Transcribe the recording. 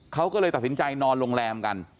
เขาก็เลยตัดสินใจนอนโรงแรมกัน